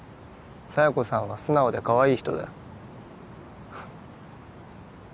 佐弥子さんは素直でかわいい人だよ